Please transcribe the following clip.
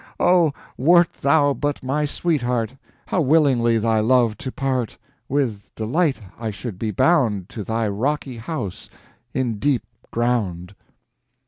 "O, wert thou but my sweetheart, How willingly thy love to part! With delight I should be bound To thy rocky house in deep ground."